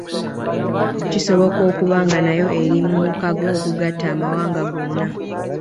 Kisoboka okuba nga nayo eri mu mukago ogugatta amawanga gonna.